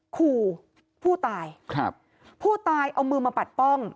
ขู่ผู้ตายครับผู้ตายเอามือมาปัดป้อง